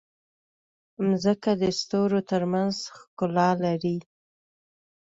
مځکه د ستورو ترمنځ ښکلا لري.